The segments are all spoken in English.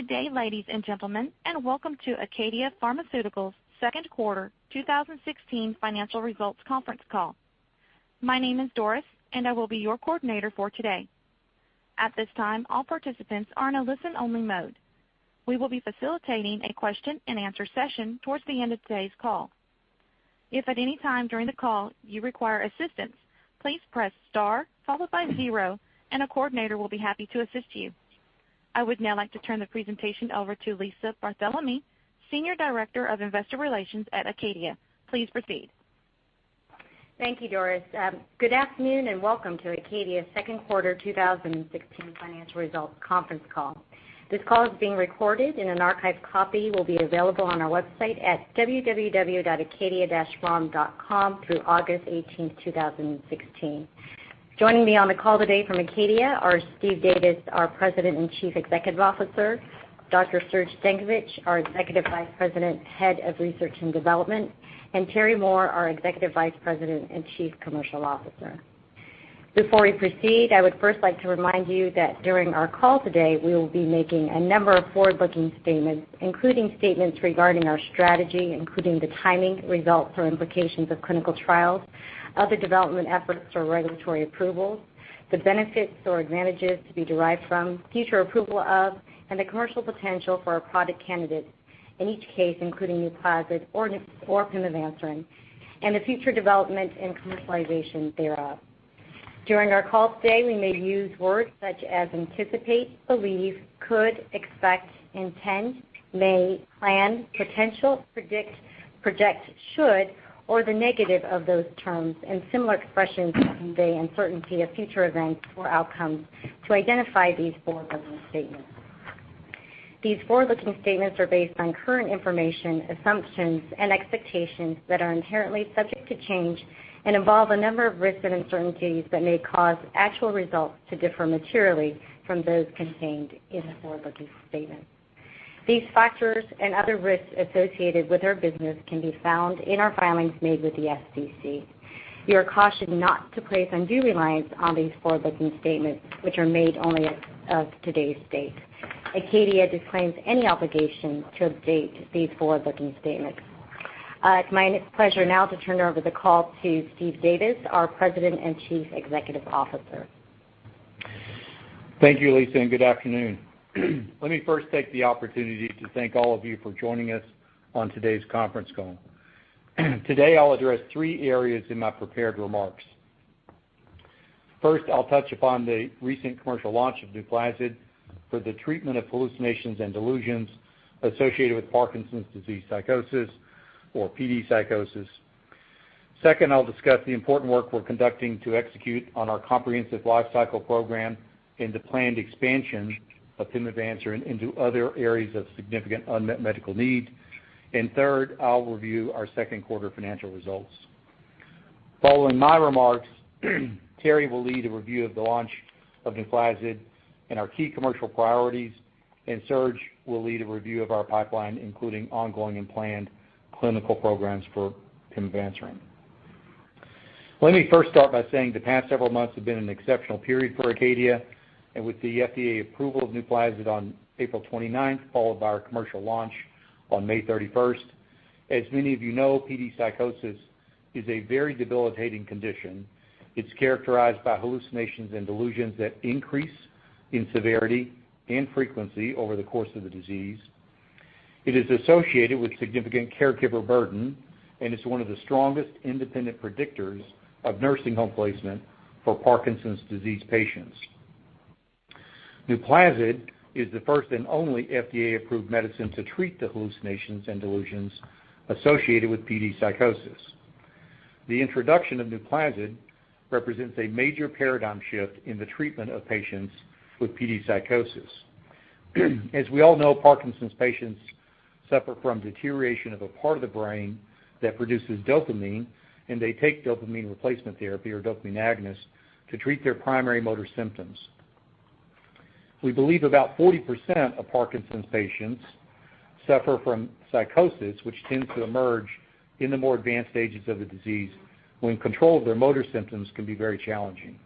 Good day, ladies and gentlemen, and welcome to ACADIA Pharmaceuticals second quarter 2016 financial results conference call. My name is Doris and I will be your coordinator for today. At this time, all participants are in a listen-only mode. We will be facilitating a question and answer session towards the end of today's call. If at any time during the call you require assistance, please press star followed by zero, and a coordinator will be happy to assist you. I would now like to turn the presentation over to Lisa Barthelemy, Senior Director of Investor Relations at ACADIA. Please proceed. Thank you, Doris. Good afternoon and welcome to ACADIA second quarter 2016 financial results conference call. This call is being recorded and an archived copy will be available on our website at www.acadia-pharm.com through August 18, 2016. Joining me on the call today from ACADIA are Steve Davis, our President and Chief Executive Officer, Dr. Serge Stankovic, our Executive Vice President, Head of Research and Development, and Terry Moore, our Executive Vice President and Chief Commercial Officer. Before we proceed, I would first like to remind you that during our call today, we will be making a number of forward-looking statements, including statements regarding our strategy, including the timing, results, or implications of clinical trials, other development efforts or regulatory approvals, the benefits or advantages to be derived from, future approval of, and the commercial potential for our product candidates. In each case, including NUPLAZID or pimavanserin, and the future development and commercialization thereof. During our call today, we may use words such as anticipate, believe, could, expect, intend, may, plan, potential, predict, project, should, or the negative of those terms, and similar expressions that convey uncertainty of future events or outcomes to identify these forward-looking statements. These forward-looking statements are based on current information, assumptions, and expectations that are inherently subject to change and involve a number of risks and uncertainties that may cause actual results to differ materially from those contained in the forward-looking statements. These factors and other risks associated with our business can be found in our filings made with the SEC. You are cautioned not to place undue reliance on these forward-looking statements, which are made only as of today's date. ACADIA disclaims any obligation to update these forward-looking statements. It's my pleasure now to turn over the call to Steve Davis, our President and Chief Executive Officer. Thank you, Lisa, and good afternoon. Let me first take the opportunity to thank all of you for joining us on today's conference call. Today, I'll address three areas in my prepared remarks. First, I'll touch upon the recent commercial launch of NUPLAZID for the treatment of hallucinations and delusions associated with Parkinson's disease psychosis, or PD psychosis. Second, I'll discuss the important work we're conducting to execute on our comprehensive life cycle program and the planned expansion of pimavanserin into other areas of significant unmet medical need. Third, I'll review our second quarter financial results. Following my remarks, Terry will lead a review of the launch of NUPLAZID and our key commercial priorities, and Serge will lead a review of our pipeline, including ongoing and planned clinical programs for pimavanserin. Let me first start by saying the past several months have been an exceptional period for ACADIA, with the FDA approval of NUPLAZID on April 29th, followed by our commercial launch on May 31st. As many of you know, PD psychosis is a very debilitating condition. It's characterized by hallucinations and delusions that increase in severity and frequency over the course of the disease. It is associated with significant caregiver burden and is one of the strongest independent predictors of nursing home placement for Parkinson's disease patients. NUPLAZID is the first and only FDA-approved medicine to treat the hallucinations and delusions associated with PD psychosis. The introduction of NUPLAZID represents a major paradigm shift in the treatment of patients with PD psychosis. As we all know, Parkinson's patients suffer from deterioration of a part of the brain that produces dopamine, and they take dopamine replacement therapy or dopamine agonists to treat their primary motor symptoms. We believe about 40% of Parkinson's patients suffer from psychosis, which tends to emerge in the more advanced stages of the disease when control of their motor symptoms can be very challenging.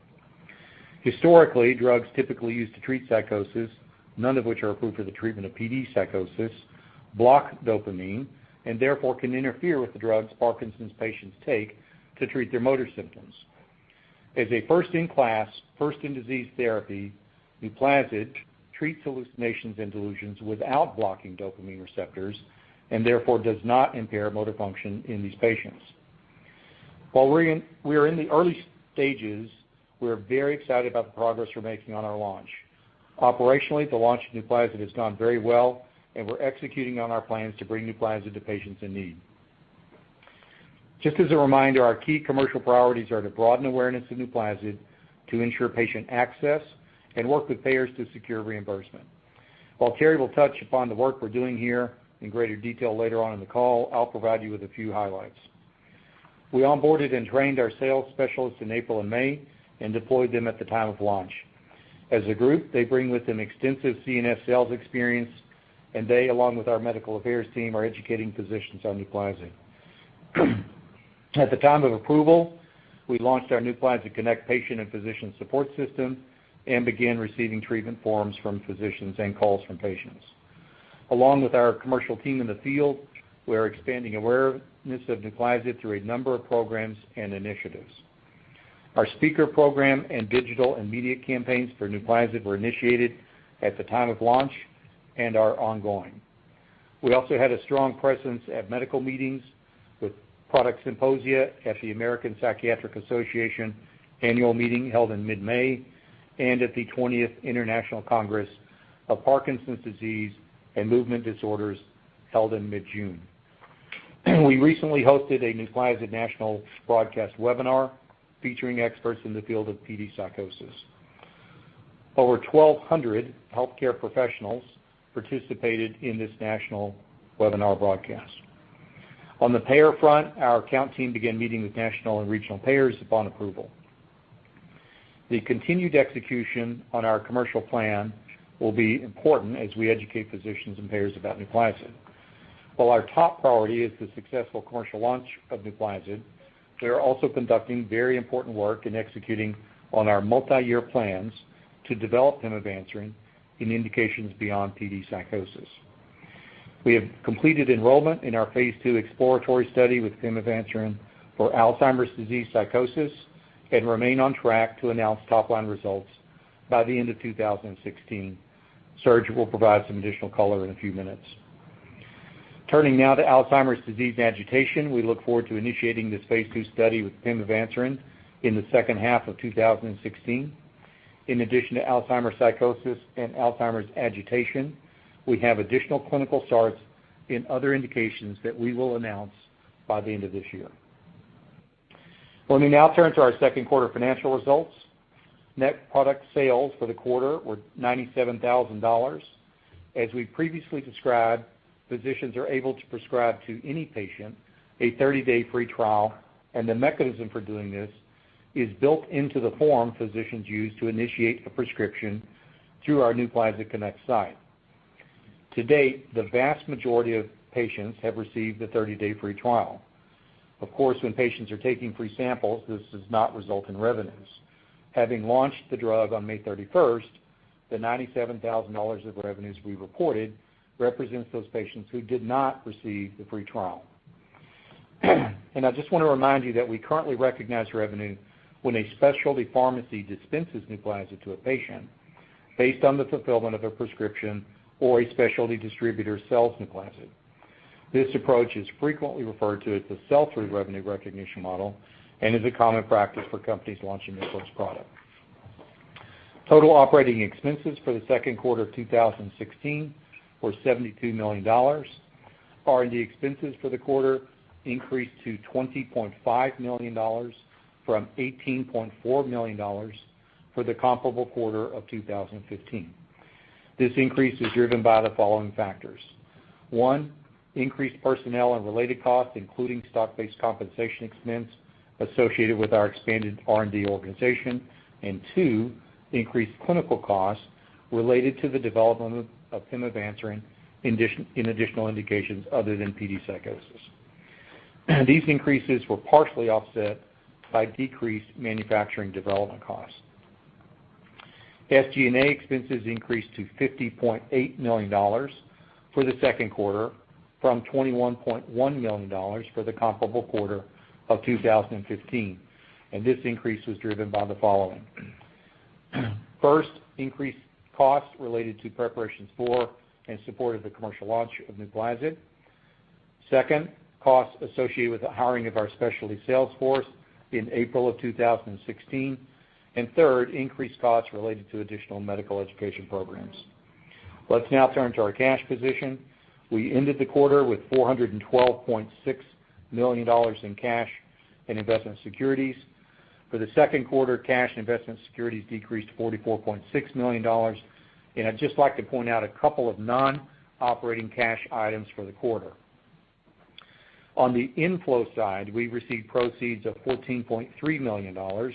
Historically, drugs typically used to treat psychosis, none of which are approved for the treatment of PD psychosis, block dopamine and therefore can interfere with the drugs Parkinson's patients take to treat their motor symptoms. As a first-in-class, first-in-disease therapy, NUPLAZID treats hallucinations and delusions without blocking dopamine receptors and therefore does not impair motor function in these patients. While we are in the early stages, we are very excited about the progress we're making on our launch. Operationally, the launch of NUPLAZID has gone very well, and we're executing on our plans to bring NUPLAZID to patients in need. Just as a reminder, our key commercial priorities are to broaden awareness of NUPLAZID, to ensure patient access, and work with payers to secure reimbursement. While Terry will touch upon the work we're doing here in greater detail later on in the call, I'll provide you with a few highlights. We onboarded and trained our sales specialists in April and May and deployed them at the time of launch. As a group, they bring with them extensive CNS sales experience, and they, along with our medical affairs team, are educating physicians on NUPLAZID. At the time of approval, we launched our NUPLAZID Connect patient and physician support system and began receiving treatment forms from physicians and calls from patients. Along with our commercial team in the field, we are expanding awareness of NUPLAZID through a number of programs and initiatives. Our speaker program and digital and media campaigns for NUPLAZID were initiated at the time of launch and are ongoing. We also had a strong presence at medical meetings with product symposia at the American Psychiatric Association annual meeting held in mid-May, and at the 20th International Congress of Parkinson's Disease and Movement Disorders held in mid-June. We recently hosted a NUPLAZID national broadcast webinar featuring experts in the field of PD psychosis. Over 1,200 healthcare professionals participated in this national webinar broadcast. On the payer front, our account team began meeting with national and regional payers upon approval. The continued execution on our commercial plan will be important as we educate physicians and payers about NUPLAZID. While our top priority is the successful commercial launch of NUPLAZID, we are also conducting very important work in executing on our multi-year plans to develop pimavanserin in indications beyond PD psychosis. We have completed enrollment in our phase II exploratory study with pimavanserin for Alzheimer's disease psychosis and remain on track to announce top-line results by the end of 2016. Serge will provide some additional color in a few minutes. Turning now to Alzheimer's disease agitation. We look forward to initiating this phase II study with pimavanserin in the second half of 2016. In addition to Alzheimer's psychosis and Alzheimer's agitation, we have additional clinical starts in other indications that we will announce by the end of this year. Let me now turn to our second quarter financial results. Net product sales for the quarter were $97,000. As we previously described, physicians are able to prescribe to any patient a 30-day free trial, and the mechanism for doing this is built into the form physicians use to initiate a prescription through our NUPLAZID Connect site. To date, the vast majority of patients have received the 30-day free trial. Of course, when patients are taking free samples, this does not result in revenues. Having launched the drug on May 31st, the $97,000 of revenues we reported represents those patients who did not receive the free trial. I just want to remind you that we currently recognize revenue when a specialty pharmacy dispenses NUPLAZID to a patient based on the fulfillment of a prescription or a specialty distributor sells NUPLAZID. This approach is frequently referred to as a sell-through revenue recognition model and is a common practice for companies launching a first product. Total operating expenses for the second quarter of 2016 were $72 million. R&D expenses for the quarter increased to $20.5 million from $18.4 million for the comparable quarter of 2015. This increase is driven by the following factors. One, increased personnel and related costs, including stock-based compensation expense associated with our expanded R&D organization. Two, increased clinical costs related to the development of pimavanserin in additional indications other than PD psychosis. These increases were partially offset by decreased manufacturing development costs. SG&A expenses increased to $50.8 million for the second quarter from $21.1 million for the comparable quarter of 2015. This increase was driven by the following. First, increased costs related to preparations for and support of the commercial launch of NUPLAZID. Second, costs associated with the hiring of our specialty sales force in April of 2016. Third, increased costs related to additional medical education programs. Let's now turn to our cash position. We ended the quarter with $412.6 million in cash and investment securities. For the second quarter, cash and investment securities decreased to $44.6 million. I'd just like to point out a couple of non-operating cash items for the quarter. On the inflow side, we received proceeds of $14.3 million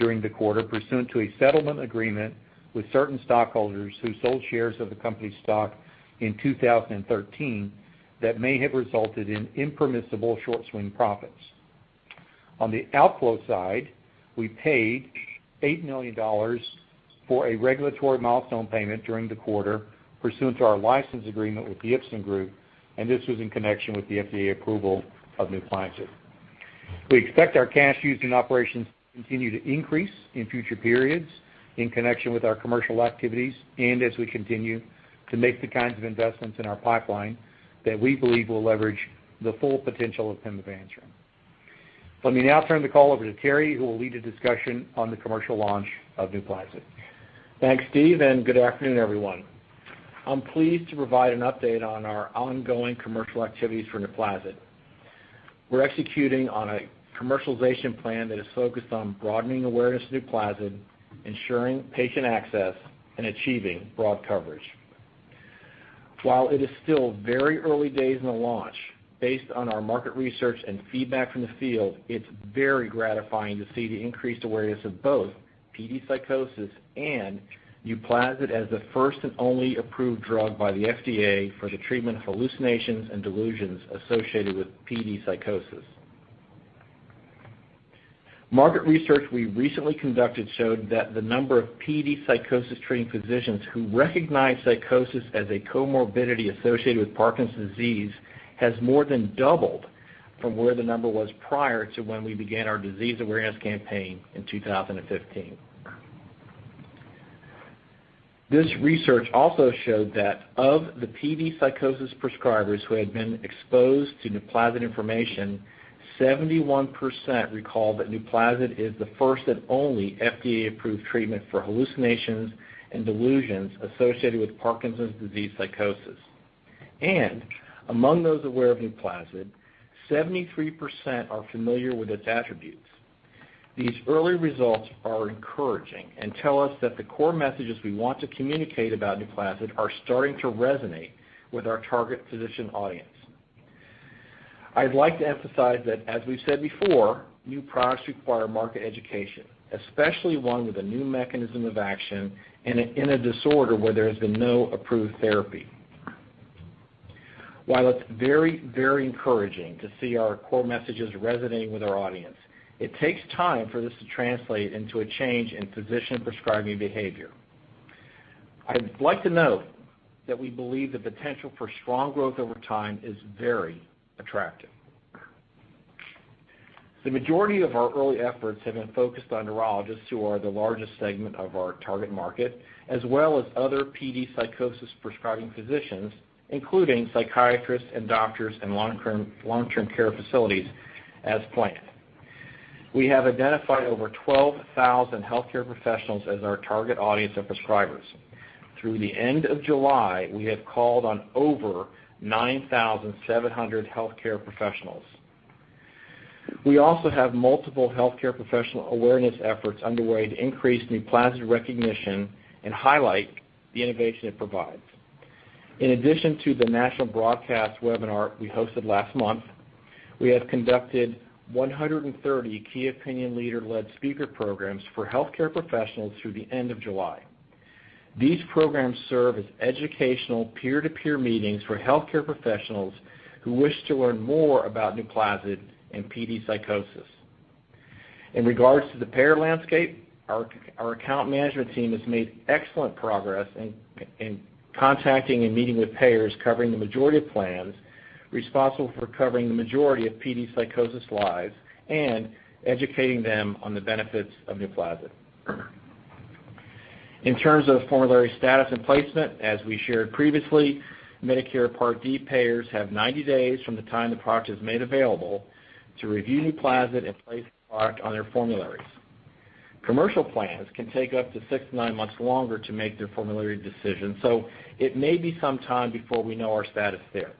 during the quarter pursuant to a settlement agreement with certain stockholders who sold shares of the company's stock in 2013 that may have resulted in impermissible short-swing profits. On the outflow side, we paid $8 million for a regulatory milestone payment during the quarter pursuant to our license agreement with the Ipsen Group, and this was in connection with the FDA approval of NUPLAZID. We expect our cash used in operations to continue to increase in future periods in connection with our commercial activities and as we continue to make the kinds of investments in our pipeline that we believe will leverage the full potential of pimavanserin. Let me now turn the call over to Terry, who will lead a discussion on the commercial launch of NUPLAZID. Thanks, Steve. Good afternoon, everyone. I'm pleased to provide an update on our ongoing commercial activities for NUPLAZID. We're executing on a commercialization plan that is focused on broadening awareness of NUPLAZID, ensuring patient access, and achieving broad coverage. While it is still very early days in the launch, based on our market research and feedback from the field, it's very gratifying to see the increased awareness of both PD psychosis and NUPLAZID as the first and only approved drug by the FDA for the treatment of hallucinations and delusions associated with PD psychosis. Market research we recently conducted showed that the number of PD psychosis treating physicians who recognize psychosis as a comorbidity associated with Parkinson's disease has more than doubled from where the number was prior to when we began our disease awareness campaign in 2015. This research also showed that of the PD psychosis prescribers who had been exposed to NUPLAZID information, 71% recalled that NUPLAZID is the first and only FDA-approved treatment for hallucinations and delusions associated with Parkinson's disease psychosis. Among those aware of NUPLAZID, 73% are familiar with its attributes. These early results are encouraging and tell us that the core messages we want to communicate about NUPLAZID are starting to resonate with our target physician audience. I'd like to emphasize that, as we've said before, new products require market education, especially one with a new mechanism of action in a disorder where there has been no approved therapy. While it's very, very encouraging to see our core messages resonating with our audience, it takes time for this to translate into a change in physician prescribing behavior. I'd like to note that we believe the potential for strong growth over time is very attractive. The majority of our early efforts have been focused on neurologists, who are the largest segment of our target market, as well as other PD psychosis prescribing physicians, including psychiatrists and doctors in long-term care facilities, as planned. We have identified over 12,000 healthcare professionals as our target audience of prescribers. Through the end of July, we have called on over 9,700 healthcare professionals. We also have multiple healthcare professional awareness efforts underway to increase NUPLAZID recognition and highlight the innovation it provides. In addition to the national broadcast webinar we hosted last month, we have conducted 130 key opinion leader-led speaker programs for healthcare professionals through the end of July. These programs serve as educational peer-to-peer meetings for healthcare professionals who wish to learn more about NUPLAZID and PD psychosis. In regards to the payer landscape, our account management team has made excellent progress in contacting and meeting with payers covering the majority of plans responsible for covering the majority of PD psychosis lives and educating them on the benefits of NUPLAZID. In terms of formulary status and placement, as we shared previously, Medicare Part D payers have 90 days from the time the product is made available to review NUPLAZID and place the product on their formularies. Commercial plans can take up to six to nine months longer to make their formulary decision, so it may be some time before we know our status there.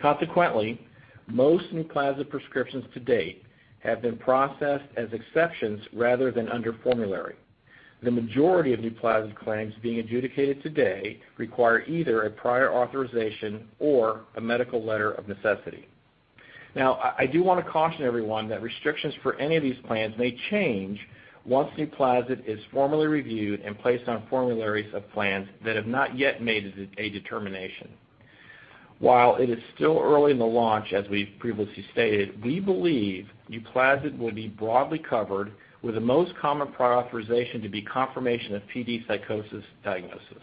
Consequently, most NUPLAZID prescriptions to date have been processed as exceptions rather than under formulary. The majority of NUPLAZID claims being adjudicated today require either a prior authorization or a medical letter of necessity. I do want to caution everyone that restrictions for any of these plans may change once NUPLAZID is formally reviewed and placed on formularies of plans that have not yet made a determination. While it is still early in the launch, as we've previously stated, we believe NUPLAZID will be broadly covered with the most common prior authorization to be confirmation of PD psychosis diagnosis.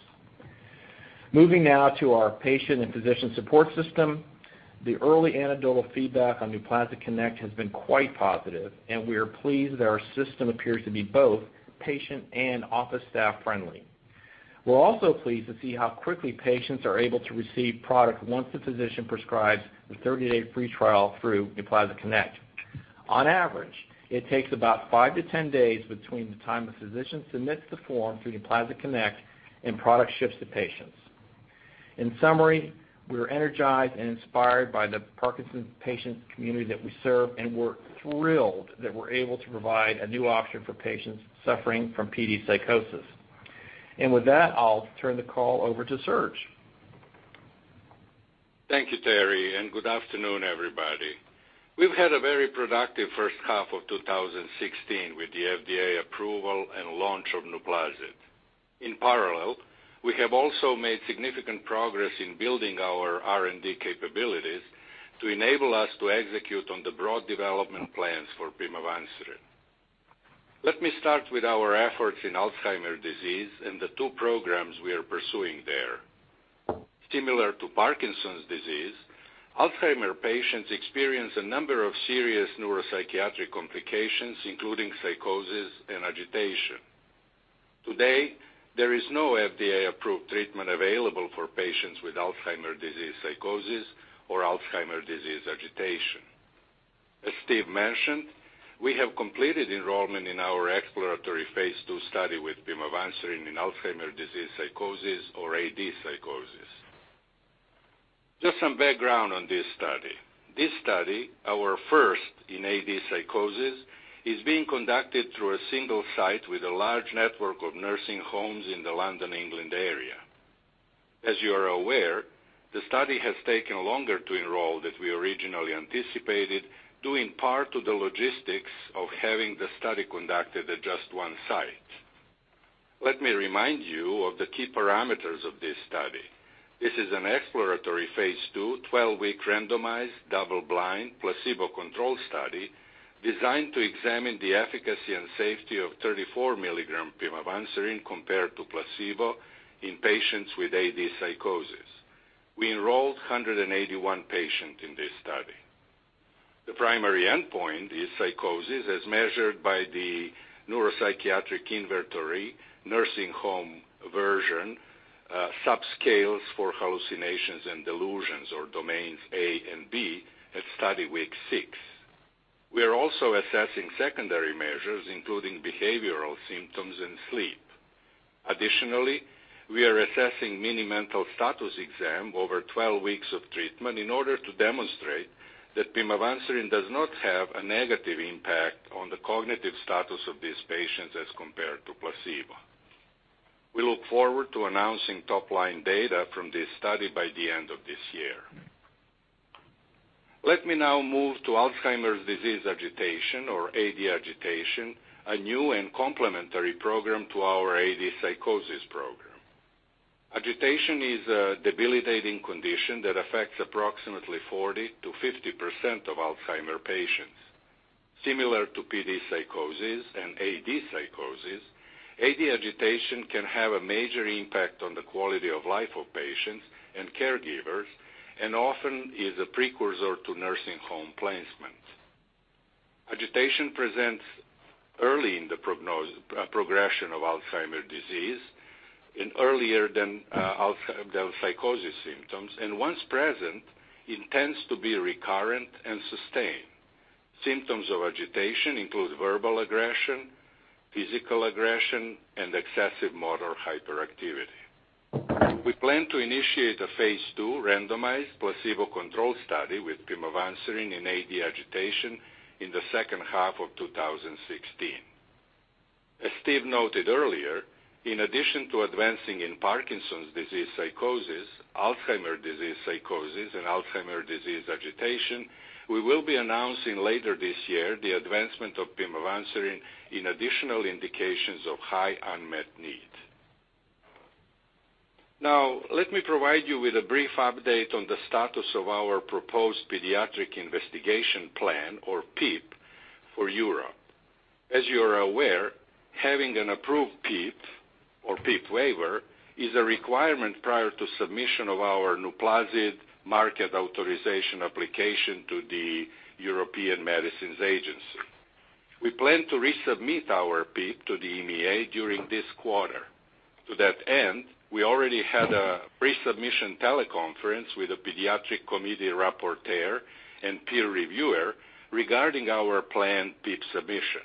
Moving now to our patient and physician support system. The early anecdotal feedback on NUPLAZID Connect has been quite positive, and we are pleased that our system appears to be both patient and office staff friendly. We're also pleased to see how quickly patients are able to receive product once the physician prescribes the 30-day free trial through NUPLAZID Connect. On average, it takes about five to 10 days between the time the physician submits the form through NUPLAZID Connect and product ships to patients. In summary, we are energized and inspired by the Parkinson's patient community that we serve, and we're thrilled that we're able to provide a new option for patients suffering from PD psychosis. With that, I'll turn the call over to Serge. Thank you, Terry, and good afternoon, everybody. We've had a very productive first half of 2016 with the FDA approval and launch of NUPLAZID. In parallel, we have also made significant progress in building our R&D capabilities to enable us to execute on the broad development plans for pimavanserin. Let me start with our efforts in Alzheimer's disease and the two programs we are pursuing there. Similar to Parkinson's disease, Alzheimer's patients experience a number of serious neuropsychiatric complications, including psychosis and agitation. Today, there is no FDA-approved treatment available for patients with Alzheimer's disease psychosis or Alzheimer's disease agitation. As Steve mentioned, we have completed enrollment in our exploratory phase II study with pimavanserin in Alzheimer's disease psychosis or AD psychosis. Just some background on this study. This study, our first in AD psychosis, is being conducted through a single site with a large network of nursing homes in the London, England area. As you are aware, the study has taken longer to enroll than we originally anticipated, due in part to the logistics of having the study conducted at just one site. Let me remind you of the key parameters of this study. This is an exploratory phase II, 12-week randomized, double-blind, placebo-controlled study designed to examine the efficacy and safety of 34 mg pimavanserin compared to placebo in patients with AD psychosis. We enrolled 181 patients in this study. The primary endpoint is psychosis as measured by the Neuropsychiatric Inventory, nursing home version, subscales for hallucinations and delusions or domains A and B at study week six. We are also assessing secondary measures including behavioral symptoms and sleep. Additionally, we are assessing Mini-Mental State Examination over 12 weeks of treatment in order to demonstrate that pimavanserin does not have a negative impact on the cognitive status of these patients as compared to placebo. We look forward to announcing top-line data from this study by the end of this year. Let me now move to Alzheimer's disease agitation or AD agitation, a new and complementary program to our AD psychosis program. Agitation is a debilitating condition that affects approximately 40%-50% of Alzheimer's patients. Similar to PD psychosis and AD psychosis, AD agitation can have a major impact on the quality of life of patients and caregivers and often is a precursor to nursing home placement. Agitation presents early in the progression of Alzheimer's disease and earlier than psychosis symptoms, and once present, it tends to be recurrent and sustained. Symptoms of agitation include verbal aggression, physical aggression, and excessive motor hyperactivity. We plan to initiate a phase II randomized, placebo-controlled study with pimavanserin in AD agitation in the second half of 2016. As Steve noted earlier, in addition to advancing in Parkinson's disease psychosis, Alzheimer's disease psychosis, and Alzheimer's disease agitation, we will be announcing later this year the advancement of pimavanserin in additional indications of high unmet need. Let me provide you with a brief update on the status of our proposed pediatric investigation plan, or PIP, for Europe. As you are aware, having an approved PIP or PIP waiver is a requirement prior to submission of our NUPLAZID Marketing Authorization Application to the European Medicines Agency. We plan to resubmit our PIP to the EMA during this quarter. To that end, we already had a pre-submission teleconference with a pediatric committee rapporteur and peer reviewer regarding our planned PIP submission.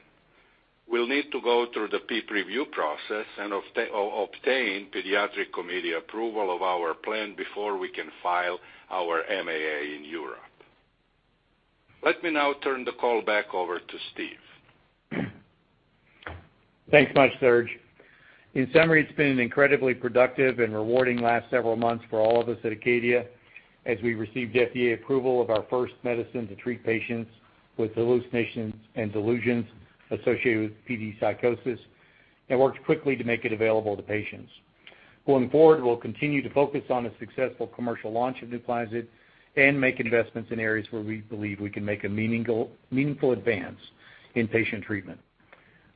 We'll need to go through the PIP review process and obtain pediatric committee approval of our plan before we can file our MAA in Europe. Let me now turn the call back over to Steve. Thanks much, Serge. In summary, it's been an incredibly productive and rewarding last several months for all of us at ACADIA as we received FDA approval of our first medicine to treat patients with hallucinations and delusions associated with PD psychosis and worked quickly to make it available to patients. Going forward, we'll continue to focus on a successful commercial launch of NUPLAZID and make investments in areas where we believe we can make a meaningful advance in patient treatment.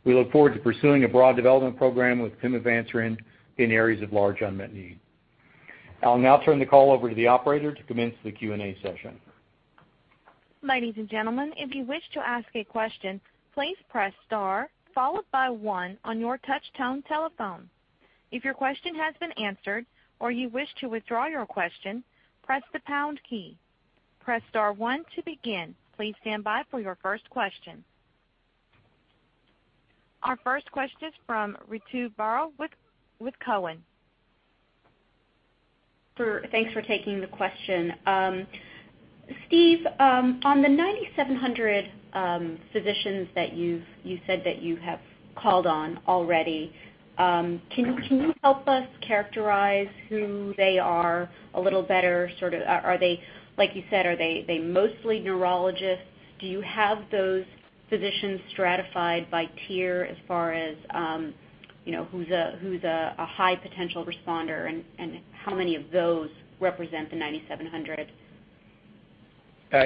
We look forward to pursuing a broad development program with pimavanserin in areas of large unmet need. I'll now turn the call over to the operator to commence the Q&A session. Ladies and gentlemen, if you wish to ask a question, please press star followed by one on your touchtone telephone. If your question has been answered or you wish to withdraw your question, press the pound key. Press star one to begin. Please stand by for your first question. Our first question is from Ritu Baral with Cowen. Thanks for taking the question. Steve, on the 9,700 physicians that you said that you have called on already, can you help us characterize who they are a little better? Like you said, are they mostly neurologists? Do you have those physicians stratified by tier as far as who's a high potential responder and how many of those represent the 9,700?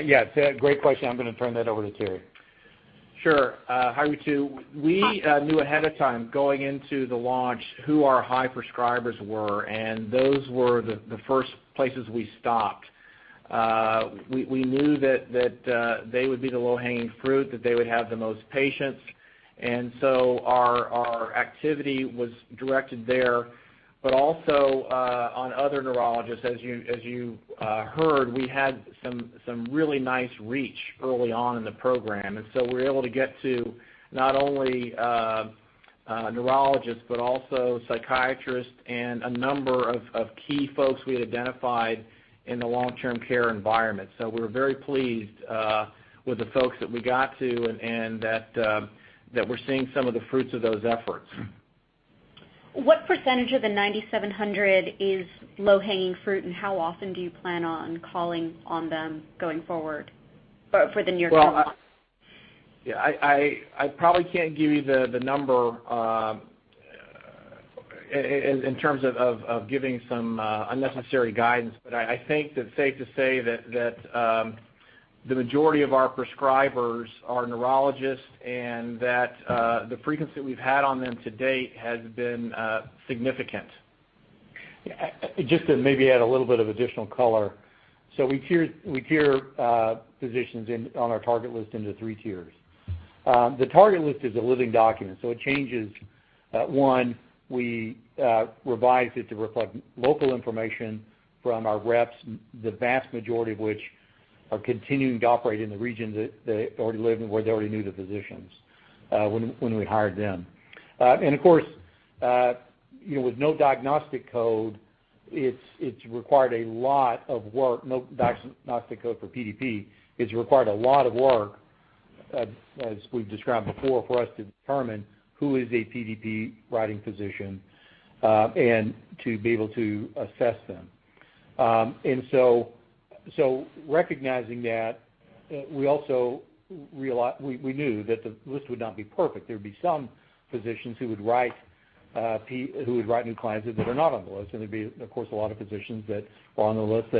Yeah. Great question. I'm going to turn that over to Terry. Sure. Hi, Ritu. We knew ahead of time going into the launch who our high prescribers were, and those were the first places we stopped. We knew that they would be the low-hanging fruit, that they would have the most patients. Our activity was directed there, but also on other neurologists. As you heard, we had some really nice reach early on in the program. We were able to get to not only neurologists but also psychiatrists and a number of key folks we had identified in the long-term care environment. We're very pleased with the folks that we got to and that we're seeing some of the fruits of those efforts. What percentage of the 9,700 is low-hanging fruit, and how often do you plan on calling on them going forward for the near term? Well, I probably can't give you the number in terms of giving some unnecessary guidance. I think that it's safe to say that the majority of our prescribers are neurologists and that the frequency we've had on them to date has been significant. Just to maybe add a little bit of additional color. We tier physicians on our target list into three tiers. The target list is a living document, so it changes. One, we revised it to reflect local information from our reps, the vast majority of which are continuing to operate in the regions that they already live and where they already knew the physicians when we hired them. Of course, with no diagnostic code for PDP, it's required a lot of work, as we've described before, for us to determine who is a PDP-writing physician, and to be able to assess them. Recognizing that, we knew that the list would not be perfect. There'd be some physicians who would write NUPLAZID that are not on the list, and there'd be, of course, a lot of physicians that are on the list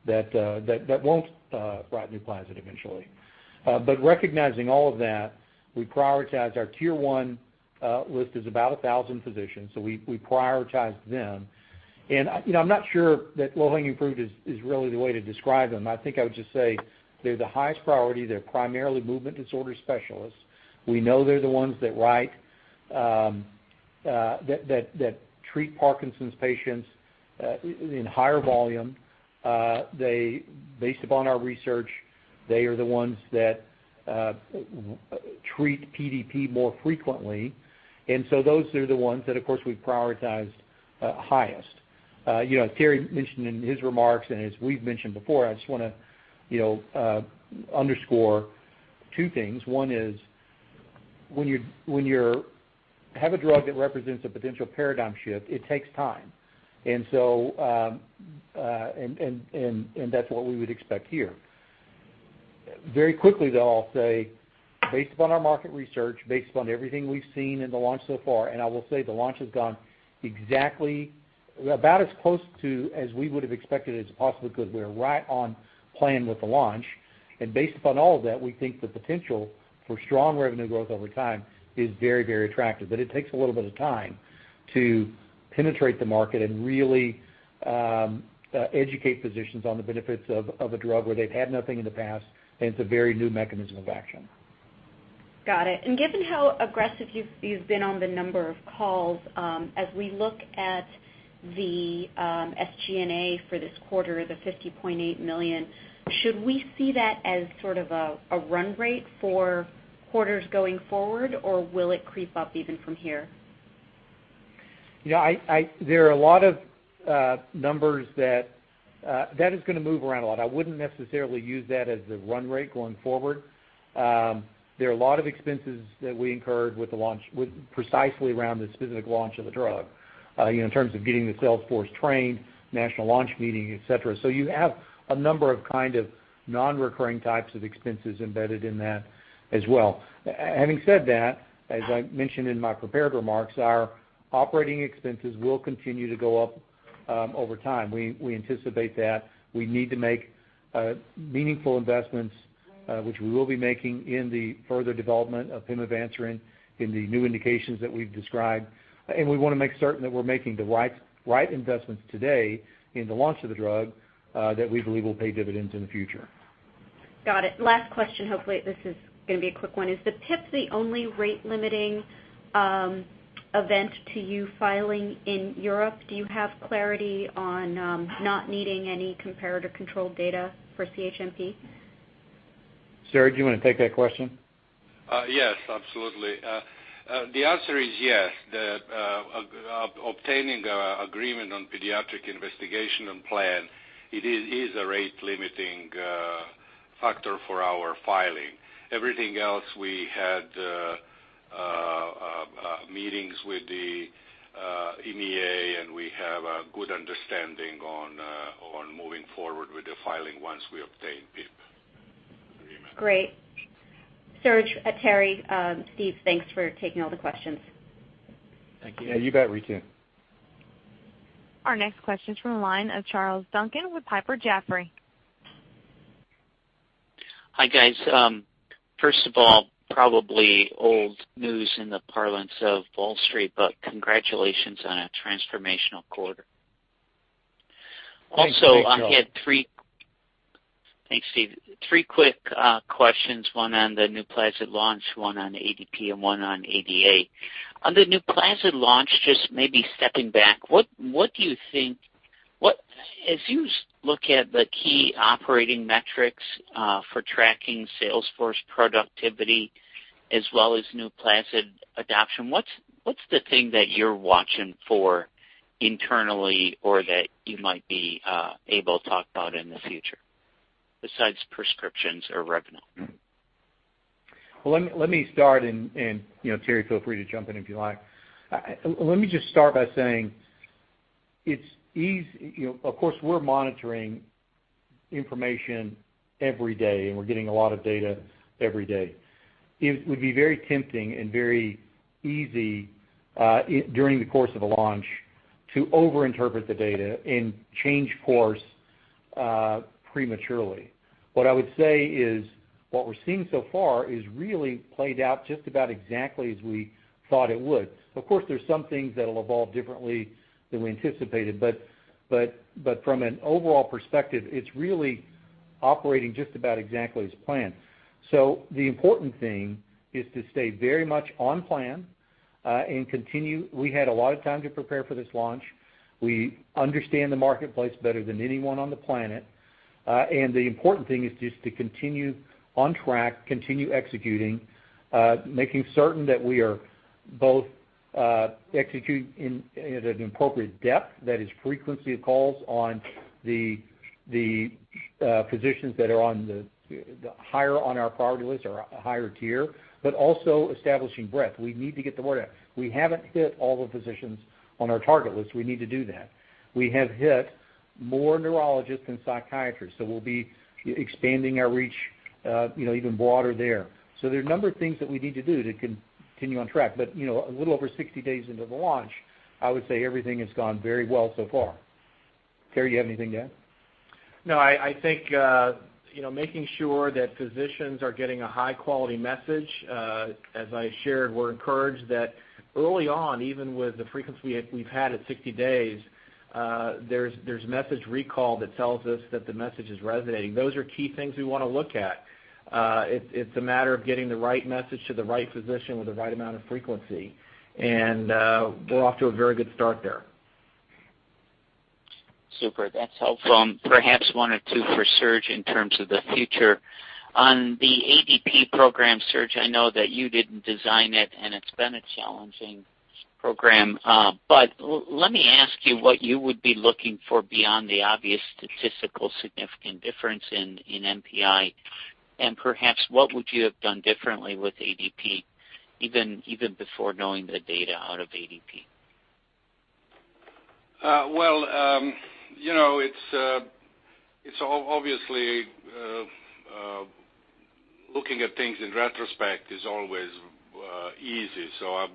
that won't write NUPLAZID eventually. Recognizing all of that, we prioritized our tier 1 list as about 1,000 physicians. We prioritized them. I'm not sure that low-hanging fruit is really the way to describe them. I think I would just say they're the highest priority. They're primarily movement disorder specialists. We know they're the ones that treat Parkinson's patients in higher volume. Based upon our research, they are the ones that treat PDP more frequently. Those are the ones that, of course, we've prioritized highest. As Terry mentioned in his remarks, as we've mentioned before, I just want to underscore two things. One is when you have a drug that represents a potential paradigm shift, it takes time. That's what we would expect here. Very quickly, though, I'll say based upon our market research, based upon everything we've seen in the launch so far, I will say the launch has gone about as close to as we would have expected it as possibly could. We are right on plan with the launch. Based upon all of that, we think the potential for strong revenue growth over time is very attractive. It takes a little bit of time to penetrate the market and really educate physicians on the benefits of a drug where they've had nothing in the past, and it's a very new mechanism of action. Got it. Given how aggressive you've been on the number of calls, as we look at the SG&A for this quarter, the $50.8 million, should we see that as sort of a run rate for quarters going forward, or will it creep up even from here? That is going to move around a lot. I wouldn't necessarily use that as the run rate going forward. There are a lot of expenses that we incurred precisely around the specific launch of the drug in terms of getting the sales force trained, national launch meeting, et cetera. You have a number of non-recurring types of expenses embedded in that as well. Having said that, as I mentioned in my prepared remarks, our operating expenses will continue to go up over time. We anticipate that we need to make meaningful investments, which we will be making in the further development of pimavanserin in the new indications that we've described. We want to make certain that we're making the right investments today in the launch of the drug that we believe will pay dividends in the future. Got it. Last question. Hopefully this is going to be a quick one. Is the PIP the only rate-limiting event to you filing in Europe? Do you have clarity on not needing any comparative controlled data for CHMP? Serge, do you want to take that question? Yes, absolutely. The answer is yes, that obtaining agreement on pediatric investigational plan is a rate-limiting factor for our filing. Everything else, we had meetings with the EMA, we have a good understanding on moving forward with the filing once we obtain PIP agreement. Great. Serge, Terry, Steve, thanks for taking all the questions. Thank you. Yeah, you bet, Ritu. Our next question is from the line of Charles Duncan with Piper Jaffray. Hi, guys. First of all, probably old news in the parlance of Wall Street. Congratulations on a transformational quarter. Thanks, Charles. Thanks, Steve. Three quick questions, one on the NUPLAZID launch, one on ADP, and one on ADA. On the NUPLAZID launch, just maybe stepping back, as you look at the key operating metrics for tracking sales force productivity as well as NUPLAZID adoption, what's the thing that you're watching for internally or that you might be able to talk about in the future besides prescriptions or revenue? Well, let me start and, Terry, feel free to jump in if you like. Let me just start by saying, of course, we're monitoring information every day, and we're getting a lot of data every day. It would be very tempting and very easy, during the course of a launch, to over-interpret the data and change course prematurely. What I would say is what we're seeing so far is really played out just about exactly as we thought it would. Of course, there's some things that'll evolve differently than we anticipated, but from an overall perspective, it's really operating just about exactly as planned. The important thing is to stay very much on plan, and continue. We had a lot of time to prepare for this launch. We understand the marketplace better than anyone on the planet. The important thing is just to continue on track, continue executing, making certain that we are both executing at an appropriate depth, that is frequency of calls on the physicians that are higher on our priority list or a higher tier, also establishing breadth. We need to get the word out. We haven't hit all the physicians on our target list. We need to do that. We have hit more neurologists than psychiatrists, so we'll be expanding our reach even broader there. There are a number of things that we need to do to continue on track. A little over 60 days into the launch, I would say everything has gone very well so far. Terry, do you have anything to add? No, I think making sure that physicians are getting a high-quality message. As I shared, we're encouraged that early on, even with the frequency we've had at 60 days, there's message recall that tells us that the message is resonating. Those are key things we want to look at. It's a matter of getting the right message to the right physician with the right amount of frequency. We're off to a very good start there. Super. That's helpful. Perhaps one or two for Serge in terms of the future. On the ADP program, Serge, I know that you didn't design it, and it's been a challenging program. Let me ask you what you would be looking for beyond the obvious statistical significant difference in NPI, and perhaps what would you have done differently with ADP, even before knowing the data out of ADP? Well, obviously, looking at things in retrospect is always easy.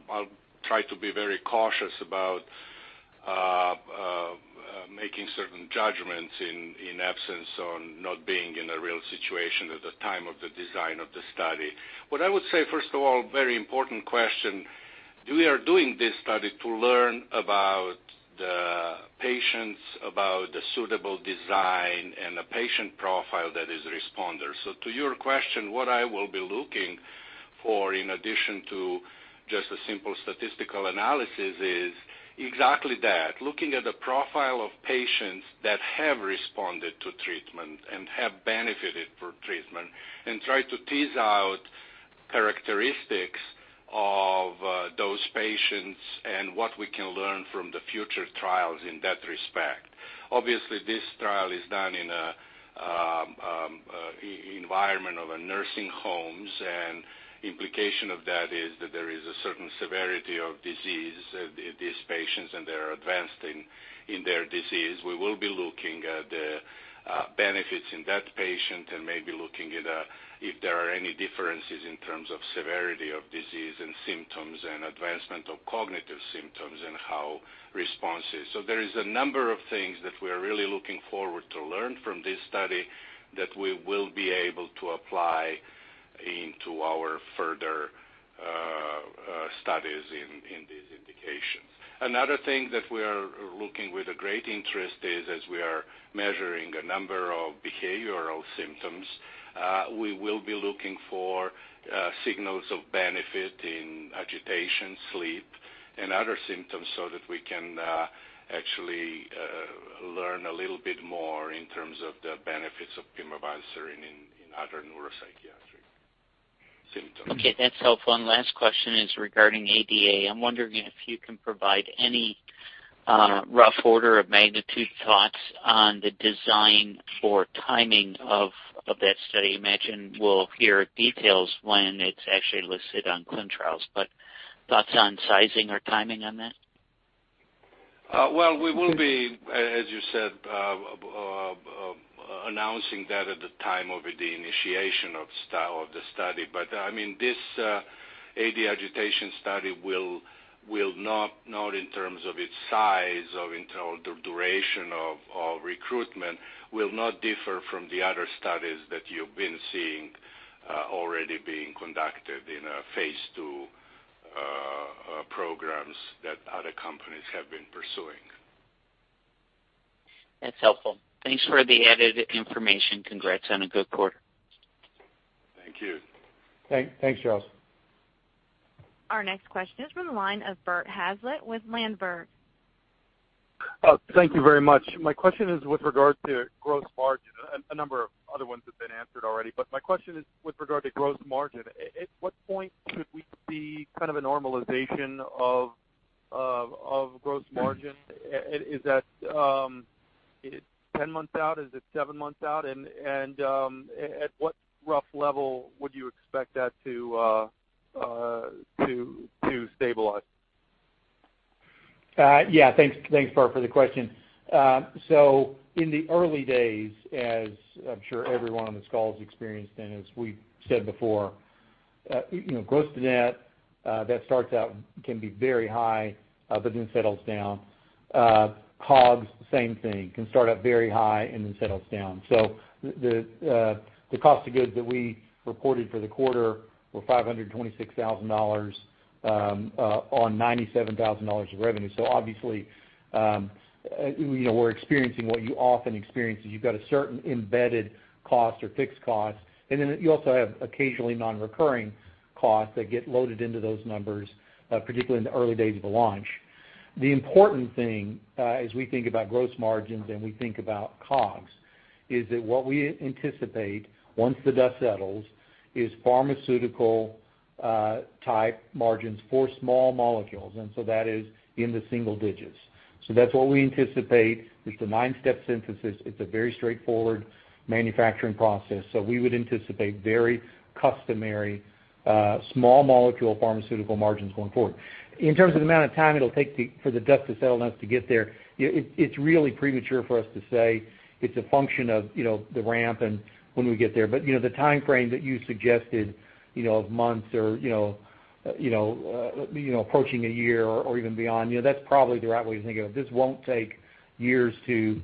I'll try to be very cautious about making certain judgments in absence on not being in a real situation at the time of the design of the study. What I would say, first of all, very important question. We are doing this study to learn about the patients, about the suitable design, and the patient profile that is responder. To your question, what I will be looking for, in addition to just a simple statistical analysis, is exactly that. Looking at the profile of patients that have responded to treatment and have benefited from treatment, try to tease out characteristics of those patients and what we can learn from the future trials in that respect. Obviously, this trial is done in an environment of nursing homes, and implication of that is that there is a certain severity of disease in these patients, and they are advanced in their disease. We will be looking at the benefits in that patient and maybe looking at if there are any differences in terms of severity of disease and symptoms and advancement of cognitive symptoms and how response is. There is a number of things that we are really looking forward to learn from this study that we will be able to apply into our further studies in these indications. Another thing that we are looking with a great interest is as we are measuring a number of behavioral symptoms, we will be looking for signals of benefit in agitation, sleep, and other symptoms so that we can actually learn a little bit more in terms of the benefits of pimavanserin in other neuropsychiatric symptoms. Okay. That's helpful. Last question is regarding ADA. I'm wondering if you can provide any rough order of magnitude thoughts on the design for timing of that study. I imagine we'll hear details when it's actually listed on ClinicalTrials.gov, thoughts on sizing or timing on that? Well, we will be, as you said, announcing that at the time of the initiation of the study. This AD agitation study will not in terms of its size or in terms of duration of recruitment, will not differ from the other studies that you've been seeing already being conducted in phase II programs that other companies have been pursuing. That's helpful. Thanks for the added information. Congrats on a good quarter. Thank you. Thanks, Charles. Our next question is from the line of Bert Hazlett with Ladenburg. Thank you very much. My question is with regard to gross margin. A number of other ones have been answered already, but my question is with regard to gross margin. At what point should we see kind of a normalization of gross margin. Is that 10 months out? Is it seven months out? At what rough level would you expect that to stabilize? Thanks, Bert, for the question. In the early days, as I'm sure everyone on this call has experienced, as we've said before, gross to net, that starts out, can be very high, then settles down. COGS, same thing, can start up very high then settles down. The cost of goods that we reported for the quarter were $526,000 on $97,000 of revenue. Obviously, we're experiencing what you often experience, is you've got a certain embedded cost or fixed cost, you also have occasionally non-recurring costs that get loaded into those numbers, particularly in the early days of the launch. The important thing as we think about gross margins and we think about COGS, is that what we anticipate once the dust settles is pharmaceutical-type margins for small molecules, that is in the single digits. That's what we anticipate with the nine-step synthesis. It's a very straightforward manufacturing process. We would anticipate very customary, small molecule pharmaceutical margins going forward. In terms of the amount of time it'll take for the dust to settle enough to get there, it's really premature for us to say it's a function of the ramp and when we get there. The timeframe that you suggested, of months or approaching a year or even beyond, that's probably the right way to think of it. This won't take years to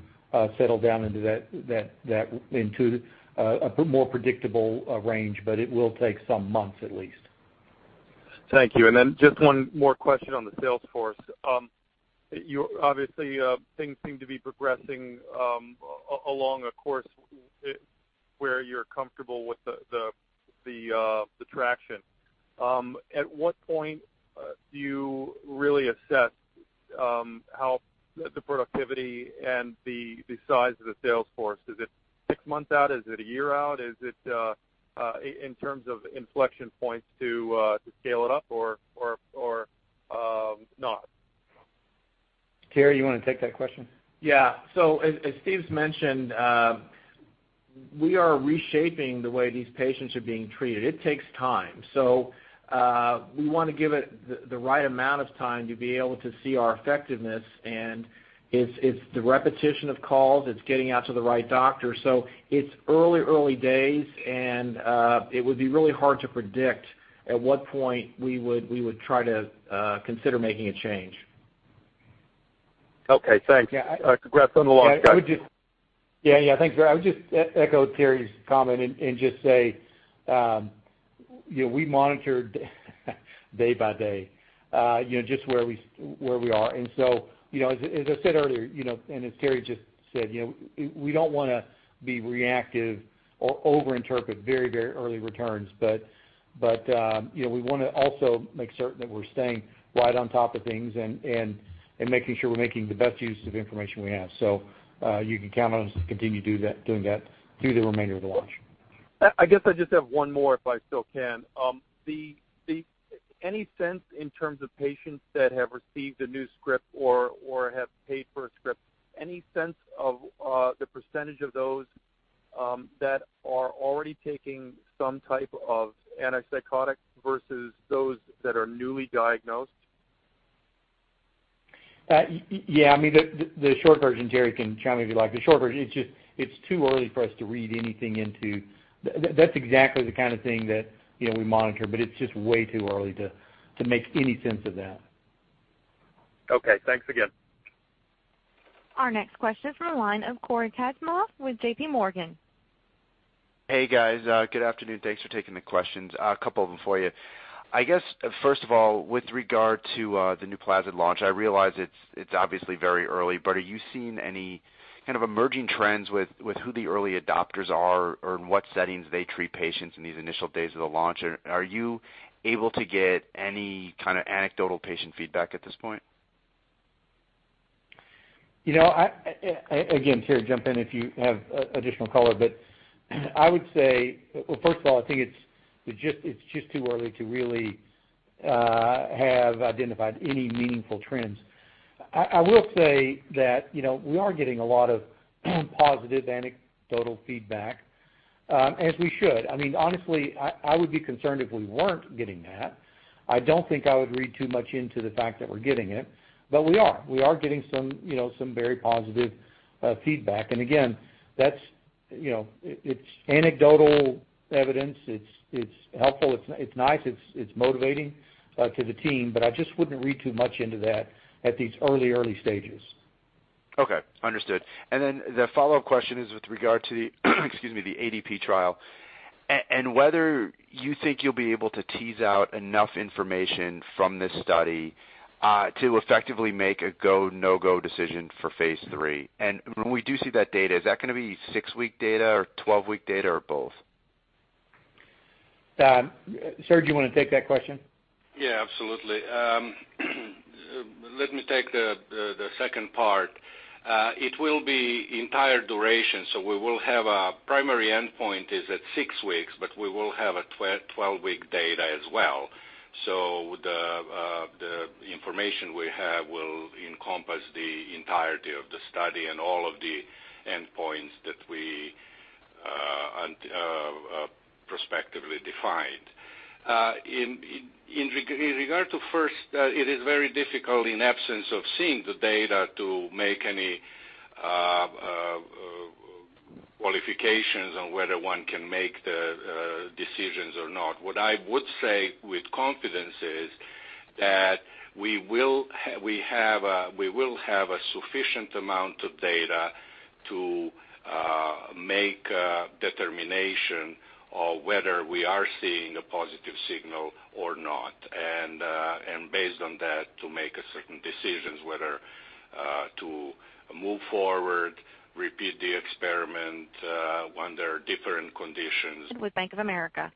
settle down into a more predictable range, it will take some months at least. Thank you. Then just one more question on the sales force. Obviously, things seem to be progressing along a course where you're comfortable with the traction. At what point do you really assess how the productivity and the size of the sales force, is it six months out? Is it a year out? Is it in terms of inflection points to scale it up or not? Terry, you want to take that question? Yeah. As Steve mentioned, we are reshaping the way these patients are being treated. It takes time. We want to give it the right amount of time to be able to see our effectiveness, and it's the repetition of calls. It's getting out to the right doctor. It's early days, and it would be really hard to predict at what point we would try to consider making a change. Okay. Thanks. Congrats on the launch, guys. Yeah. Thanks. I would just echo Terry's comment and just say, we monitor day by day just where we are. As I said earlier, and as Terry just said, we don't want to be reactive or over-interpret very early returns. We want to also make certain that we're staying right on top of things and making sure we're making the best use of the information we have. You can count on us to continue doing that through the remainder of the launch. I guess I just have one more if I still can. Any sense in terms of patients that have received a new script or have paid for a script, any sense of the percentage of those that are already taking some type of antipsychotic versus those that are newly diagnosed? Yeah. The short version, Terry can chime in if you like. The short version, it's too early for us to read anything. That's exactly the kind of thing that we monitor, it's just way too early to make any sense of that. Okay. Thanks again. Our next question is from the line of Cory Kasimov with J.P. Morgan. Hey, guys. Good afternoon. Thanks for taking the questions. A couple of them for you. I guess, first of all, with regard to the NUPLAZID launch, I realize it's obviously very early, but are you seeing any emerging trends with who the early adopters are or in what settings they treat patients in these initial days of the launch? Are you able to get any kind of anecdotal patient feedback at this point? Again, Terry, jump in if you have additional color. I would say, first of all, I think it's just too early to really have identified any meaningful trends. I will say that we are getting a lot of positive anecdotal feedback, as we should. Honestly, I would be concerned if we weren't getting that. I don't think I would read too much into the fact that we're getting it, but we are. We are getting some very positive feedback. Again, it's anecdotal evidence. It's helpful. It's nice. It's motivating to the team. I just wouldn't read too much into that at these early stages. Okay. Understood. The follow-up question is with regard to the excuse me, the ADP trial, and whether you think you'll be able to tease out enough information from this study to effectively make a go, no-go decision for phase III. When we do see that data, is that going to be 6-week data or 12-week data or both? Serge, do you want to take that question? Yeah, absolutely. Let me take the second part. It will be entire duration. We will have a primary endpoint is at six weeks, but we will have a 12-week data as well. The information we have will encompass the entirety of the study and all of the endpoints that we prospectively defined. In regard to first, it is very difficult in absence of seeing the data to make any qualifications on whether one can make the decisions or not. What I would say with confidence is that we will have a sufficient amount of data to make a determination of whether we are seeing a positive signal or not. Based on that, to make certain decisions whether to move forward, repeat the experiment under different conditions. With Bank of America.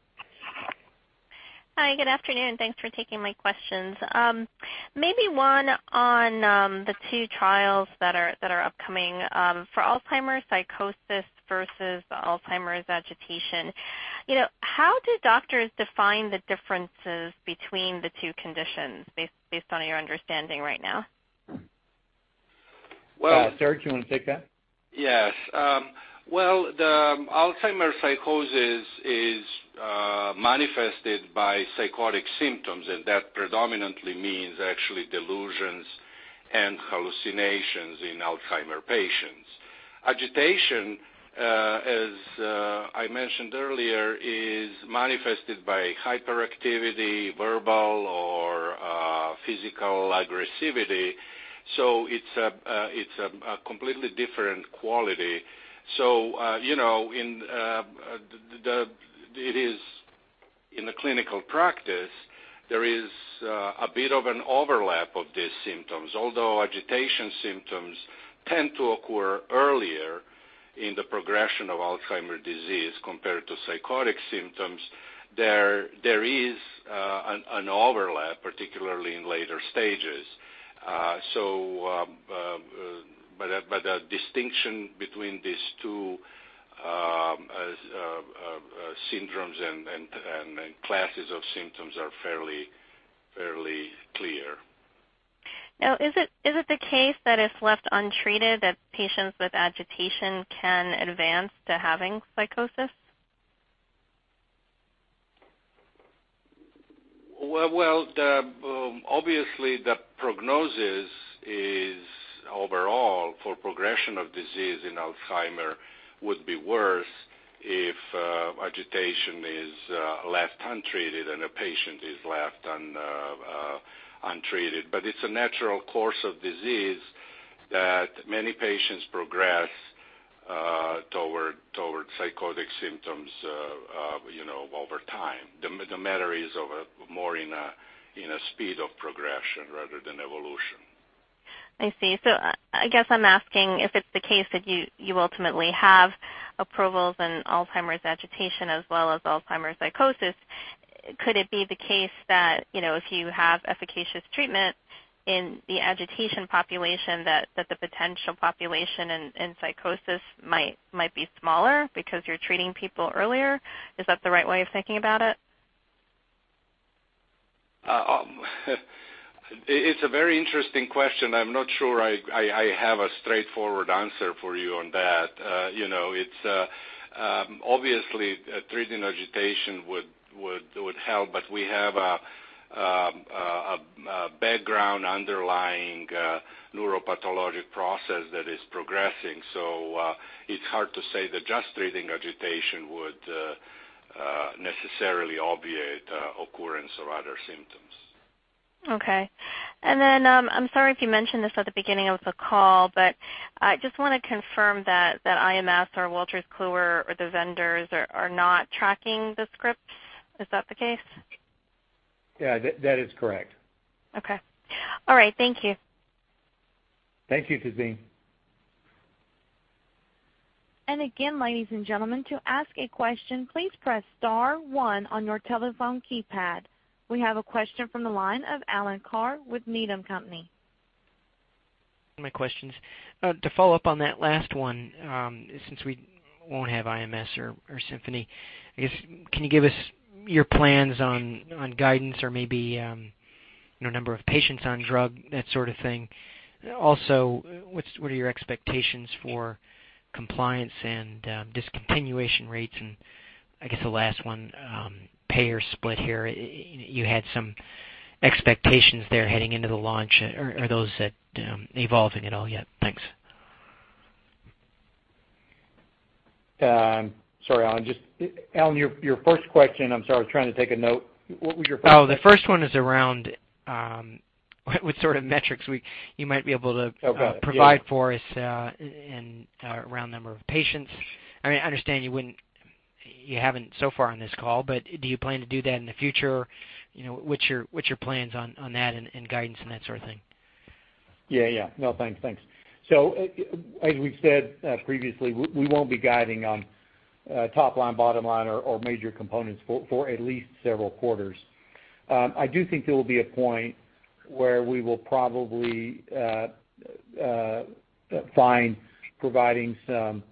Hi, good afternoon. Thanks for taking my questions. Maybe one on the two trials that are upcoming for Alzheimer's psychosis versus Alzheimer's agitation. How do doctors define the differences between the two conditions based on your understanding right now? Well- Serge, you want to take that? Yes. Well, the Alzheimer's disease psychosis is manifested by psychotic symptoms, and that predominantly means actually delusions and hallucinations in Alzheimer's patients. Agitation, as I mentioned earlier, is manifested by hyperactivity, verbal or physical aggressivity. It's a completely different quality. In the clinical practice, there is a bit of an overlap of these symptoms. Although agitation symptoms tend to occur earlier in the progression of Alzheimer's disease compared to psychotic symptoms, there is an overlap, particularly in later stages. The distinction between these two syndromes and classes of symptoms are fairly clear. Is it the case that if left untreated, that patients with agitation can advance to having psychosis? Well, obviously, the prognosis is overall for progression of disease in Alzheimer's would be worse if agitation is left untreated and a patient is left untreated. It's a natural course of disease that many patients progress towards psychotic symptoms over time. The matter is more in a speed of progression rather than evolution. I see. I guess I'm asking if it's the case that you ultimately have approvals in Alzheimer's agitation as well as Alzheimer's psychosis, could it be the case that, if you have efficacious treatment in the agitation population, that the potential population in psychosis might be smaller because you're treating people earlier? Is that the right way of thinking about it? It's a very interesting question. I'm not sure I have a straightforward answer for you on that. Obviously, treating agitation would help, but we have a background underlying neuropathologic process that is progressing. It's hard to say that just treating agitation would necessarily obviate occurrence of other symptoms. Okay. I'm sorry if you mentioned this at the beginning of the call, but I just want to confirm that IMS or Wolters Kluwer or the vendors are not tracking the scripts. Is that the case? Yeah, that is correct. Okay. All right, thank you. Thank you, Cory. Again, ladies and gentlemen, to ask a question, please press star one on your telephone keypad. We have a question from the line of Alan Carr with Needham & Company. My questions. To follow up on that last one, since we won't have IMS or Symphony, I guess, can you give us your plans on guidance or maybe number of patients on drug, that sort of thing? Also, what are your expectations for compliance and discontinuation rates? I guess the last one, payer split here. You had some expectations there heading into the launch. Are those evolving at all yet? Thanks. Sorry, Alan. Alan, your first question, I'm sorry, I was trying to take a note. What was your first question? Oh, the first one is around what sort of metrics you might be able to. Okay, yeah. Provide for us and around number of patients. I understand you haven't so far on this call, but do you plan to do that in the future? What's your plans on that and guidance and that sort of thing? No, thanks. As we've said previously, we won't be guiding on top line, bottom line or major components for at least several quarters. I do think there will be a point where we will probably find providing some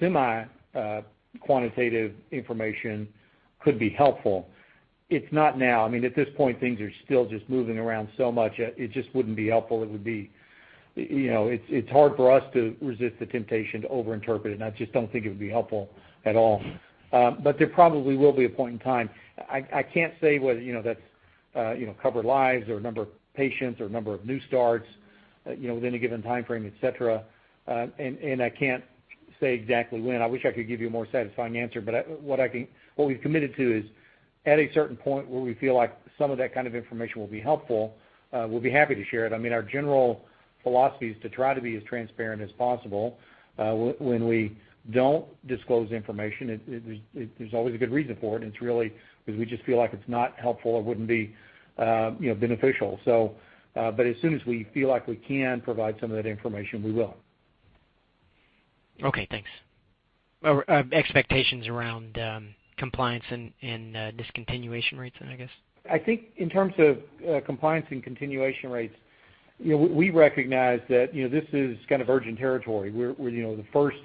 semi-quantitative information could be helpful. It's not now. At this point, things are still just moving around so much, it just wouldn't be helpful. It's hard for us to resist the temptation to over-interpret it, and I just don't think it would be helpful at all. There probably will be a point in time. I can't say whether that's covered lives or number of patients or number of new starts within a given timeframe, et cetera. I can't say exactly when. I wish I could give you a more satisfying answer, but what we've committed to is at a certain point where we feel like some of that kind of information will be helpful, we'll be happy to share it. Our general philosophy is to try to be as transparent as possible. When we don't disclose information, there's always a good reason for it, and it's really because we just feel like it's not helpful or wouldn't be beneficial. As soon as we feel like we can provide some of that information, we will. Okay, thanks. Expectations around compliance and discontinuation rates, I guess. I think in terms of compliance and continuation rates, we recognize that this is kind of virgin territory. We're the first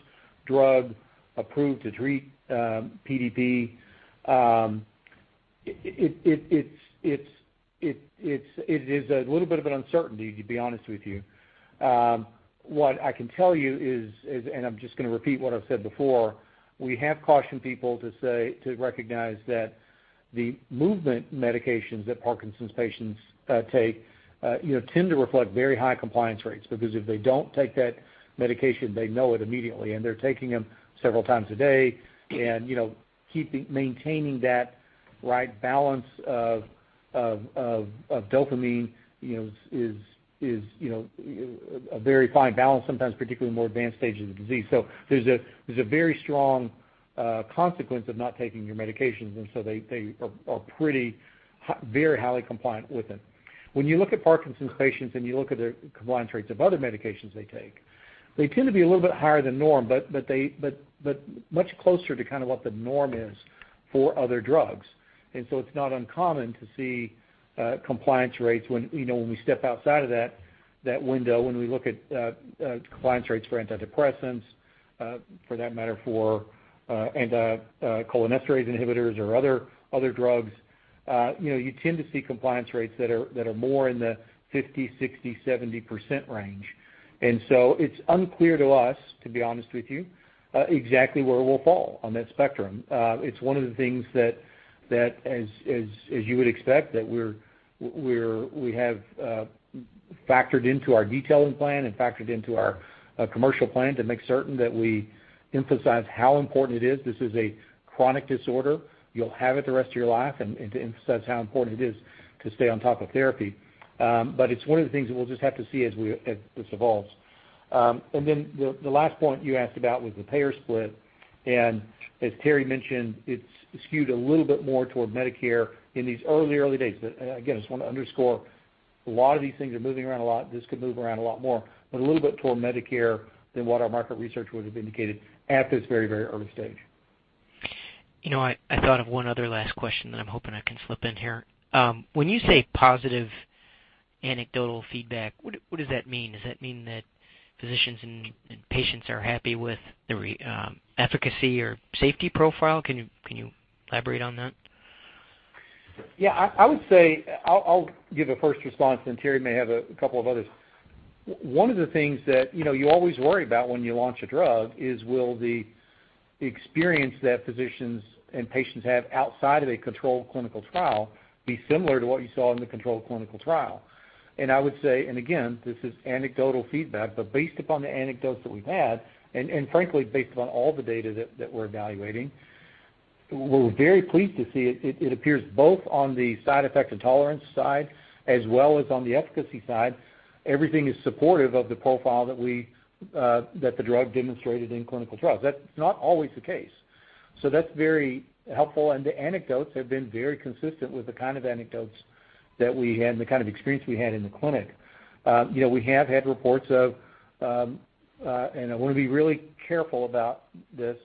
drug approved to treat PDP. It is a little bit of an uncertainty, to be honest with you. What I can tell you is, and I'm just going to repeat what I've said before, we have cautioned people to recognize that the movement medications that Parkinson's patients take tend to reflect very high compliance rates. If they don't take that medication, they know it immediately, and they're taking them several times a day. Maintaining that right balance of dopamine is a very fine balance sometimes, particularly in more advanced stages of disease. There's a very strong consequence of not taking your medications, and so they are very highly compliant with it. When you look at Parkinson's patients and you look at their compliance rates of other medications they take, they tend to be a little bit higher than norm, but much closer to what the norm is for other drugs. It's not uncommon to see compliance rates when we step outside of that window, when we look at compliance rates for antidepressants, for that matter for cholinesterase inhibitors or other drugs. You tend to see compliance rates that are more in the 50%, 60%, 70% range. It's unclear to us, to be honest with you, exactly where we'll fall on that spectrum. It's one of the things that, as you would expect, that we have factored into our detailing plan and factored into our commercial plan to make certain that we emphasize how important it is. This is a chronic disorder. You'll have it the rest of your life, and to emphasize how important it is to stay on top of therapy. It's one of the things that we'll just have to see as this evolves. The last point you asked about was the payer split, and as Terry mentioned, it's skewed a little bit more toward Medicare in these early days. Again, I just want to underscore, a lot of these things are moving around a lot. This could move around a lot more, but a little bit toward Medicare than what our market research would have indicated at this very, very early stage. I thought of one other last question that I'm hoping I can slip in here. When you say positive anecdotal feedback, what does that mean? Does that mean that physicians and patients are happy with the efficacy or safety profile? Can you elaborate on that? Yeah, I would say I'll give a first response, then Terry may have a couple of others. One of the things that you always worry about when you launch a drug is will the experience that physicians and patients have outside of a controlled clinical trial be similar to what you saw in the controlled clinical trial? I would say, and again, this is anecdotal feedback, but based upon the anecdotes that we've had, and frankly, based upon all the data that we're evaluating, we're very pleased to see it appears both on the side effect and tolerance side, as well as on the efficacy side, everything is supportive of the profile that the drug demonstrated in clinical trials. That's not always the case. That's very helpful, and the anecdotes have been very consistent with the kind of anecdotes that we had and the kind of experience we had in the clinic. We have had reports of, and I want to be really careful about this,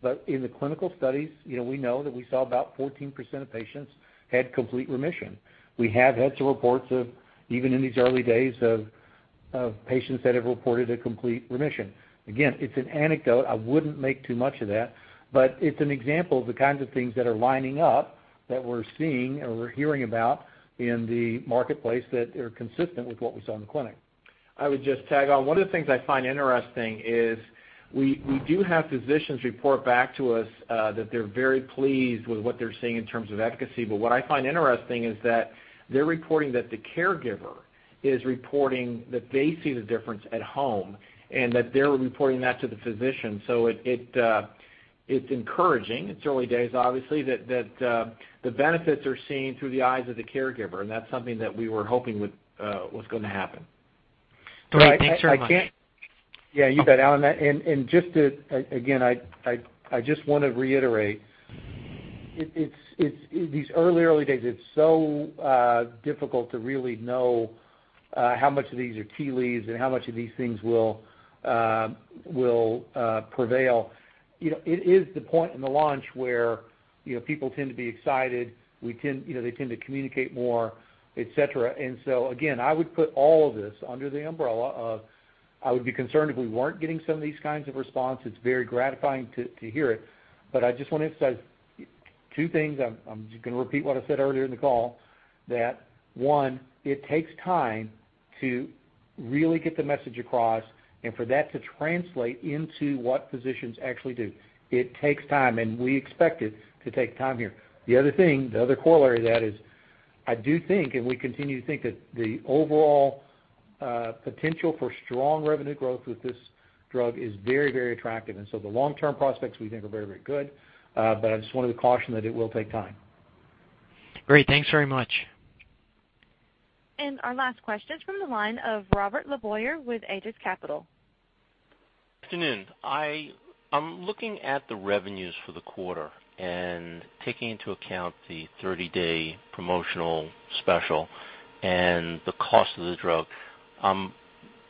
but in the clinical studies, we know that we saw about 14% of patients had complete remission. We have had some reports of, even in these early days, of patients that have reported a complete remission. Again, it's an anecdote. I wouldn't make too much of that, but it's an example of the kinds of things that are lining up that we're seeing or we're hearing about in the marketplace that are consistent with what we saw in the clinic. I would just tag on, one of the things I find interesting is we do have physicians report back to us that they're very pleased with what they're seeing in terms of efficacy. What I find interesting is that they're reporting that the caregiver is reporting that they see the difference at home, and that they're reporting that to the physician. It's encouraging. It's early days, obviously, that the benefits are seen through the eyes of the caregiver, and that's something that we were hoping was going to happen. Great. Thanks very much. Yeah, you bet, Alan. Again, I just want to reiterate, these early days, it's so difficult to really know how much of these are tea leaves and how much of these things will prevail? It is the point in the launch where people tend to be excited. They tend to communicate more, et cetera. Again, I would put all of this under the umbrella of, I would be concerned if we weren't getting some of these kinds of response. It's very gratifying to hear it. I just want to emphasize two things. I'm just going to repeat what I said earlier in the call, that one, it takes time to really get the message across and for that to translate into what physicians actually do. It takes time, and we expect it to take time here. The other thing, the other corollary to that is, I do think, and we continue to think, that the overall potential for strong revenue growth with this drug is very, very attractive. The long-term prospects we think are very, very good. I just wanted to caution that it will take time. Great. Thanks very much. Our last question is from the line of Robert LeBoyer with Aegis Capital. Good afternoon. I'm looking at the revenues for the quarter and taking into account the 30-day promotional special and the cost of the drug. I'm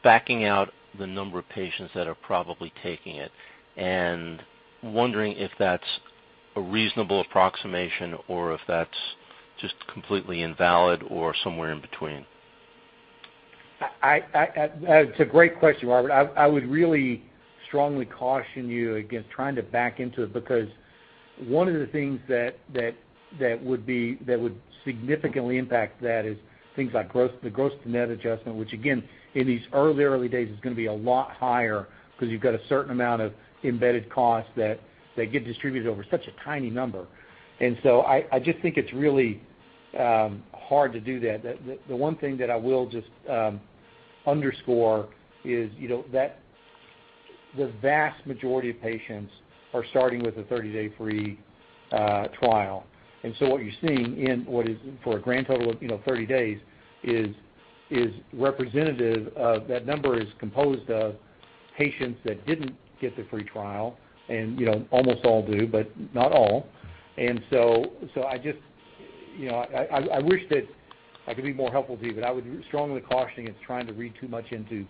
backing out the number of patients that are probably taking it and wondering if that's a reasonable approximation or if that's just completely invalid or somewhere in between. It's a great question, Robert. I would really strongly caution you against trying to back into it, because one of the things that would significantly impact that is things like the gross to net adjustment, which again, in these early days is going to be a lot higher because you've got a certain amount of embedded costs that get distributed over such a tiny number. I just think it's really hard to do that. The one thing that I will just underscore is that the vast majority of patients are starting with a 30-day free trial. What you're seeing for a grand total of 30 days is representative of that number is composed of patients that didn't get the free trial and almost all do, but not all. I wish that I could be more helpful to you, but I would strongly caution against trying to read too much into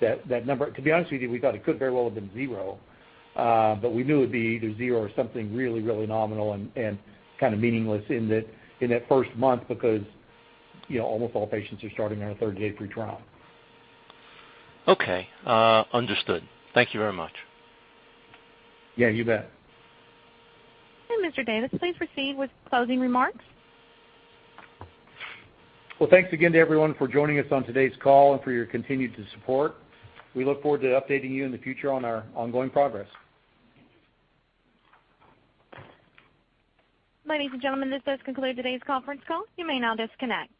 that number. To be honest with you, we thought it could very well have been zero. We knew it'd be either zero or something really, really nominal and kind of meaningless in that first month because almost all patients are starting on a 30-day free trial. Okay. Understood. Thank you very much. Yeah, you bet. Mr. Davis, please proceed with closing remarks. Well, thanks again to everyone for joining us on today's call and for your continued support. We look forward to updating you in the future on our ongoing progress. Ladies and gentlemen, this does conclude today's conference call. You may now disconnect.